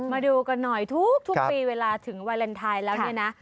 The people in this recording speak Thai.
มาดูกันหน่อยทุกปีเวลาถึงวาเลนไทยแล้วเนี่ยนะ